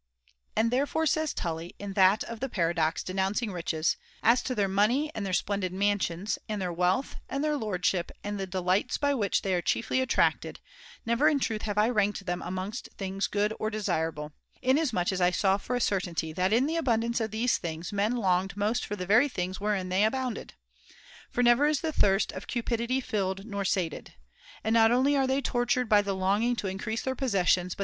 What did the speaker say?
And therefore says Tully, in that of the Paradox denouncing riches :' As to their money, and their splendid mansions, and their wealth, and their lordship, and the delights by which [60J they are chiefly attracted, never in truth have I ranked them amongst things good or desirable ; inasmuch as I saw for a certainty that in the abundance of these things men longed most for the very things wherein they abounded. For never is the thirst of cupidity XII. THE FOURTH TREATISE 287 filled nor sated. And not only are they tortured Misery by the longing to increase their possessions, but°^^.